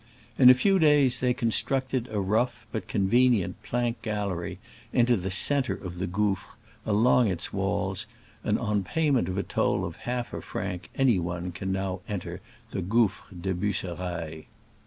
In a few days they constructed a rough but convenient plank gallery into the centre of the gouffre, along its walls, and on pay ment of a toll of half a franc any one can now enter the GK)uffre des Bus serailles.